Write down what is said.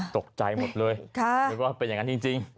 ตกใจหมดเลยนึกว่าเป็นอย่างนั้นจริง